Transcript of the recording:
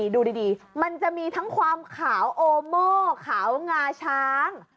ดูดีมันจะมีทั้งความขาวโอโม่ขาวงาช้าง